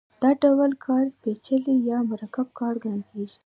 دا ډول کار پېچلی یا مرکب کار ګڼل کېږي